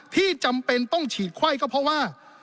จำเป็นต้องฉีดไข้ก็เพราะว่า